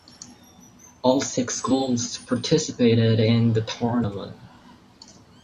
All six schools participated in the tournament.